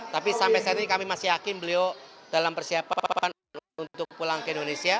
tapi sampai saat ini kami masih yakin beliau dalam persiapan untuk pulang ke indonesia